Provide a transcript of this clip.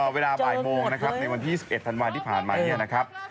เวลาบ่ายโมงนะครับในวันที่๒๑ธันวาที่ผ่านมาเนี่ยนะครับ